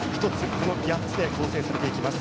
この８つで構成されていきます。